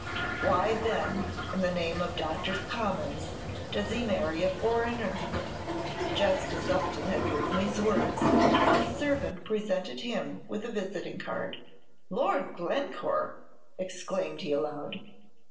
Why, then, in the name of Doctors' Commons, does he marry a foreigner?" Just as Upton had written these words, his servant presented him with a visiting card. "Lord Glencore!" exclaimed he, aloud.